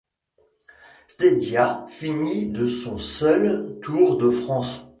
Stieda finit de son seul Tour de France.